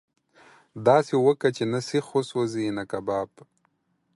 داسي وکه چې نه سيخ وسوځي نه کباب.